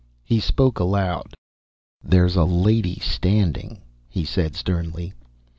He spoke aloud. "There's a lady standing," he said sternly.